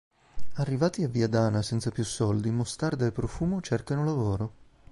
Arrivati a Viadana senza più soldi, Mostarda e Profumo cercano lavoro.